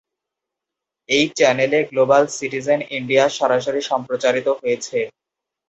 এই চ্যানেলে "global citizen India" সরাসরি সম্প্রচারিত হয়েছে।